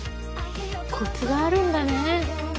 コツがあるんだね。